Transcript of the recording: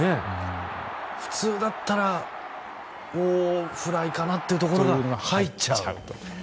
普通だったらフライかなというところが入っちゃう。